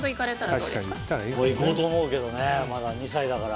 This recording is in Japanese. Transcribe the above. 行こうと思うけどねまだ２歳だから。